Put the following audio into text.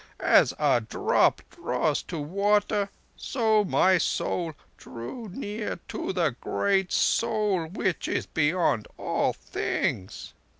As a drop draws to water, so my Soul drew near to the Great Soul which is beyond all things.